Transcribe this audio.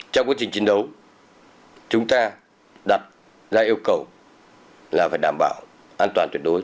trong quá trình chiến đấu chúng ta đặt ra yêu cầu là phải đảm bảo an toàn tuyệt đối